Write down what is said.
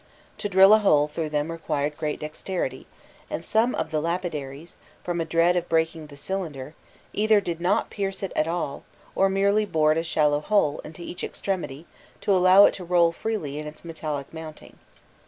To drill a hole through them required great dexterity, and some of the lapidaries, from a dread of breaking the cylinder, either did not pierce it at all, or merely bored a shallow hole into each extremity to allow it to roll freely in its metallic mounting.